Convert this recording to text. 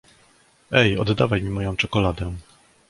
Ej, oddawaj mi moją czekoladę!